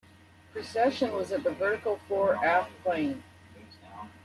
Precession was in the vertical fore-aft plane.